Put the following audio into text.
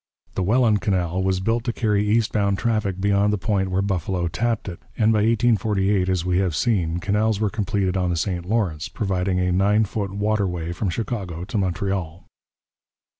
The Welland Canal was built to carry east bound traffic beyond the point where Buffalo tapped it, and by 1848, as we have seen, canals were completed on the St Lawrence, providing a nine foot waterway from Chicago to Montreal.